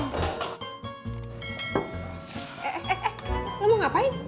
eh eh eh lo mau ngapain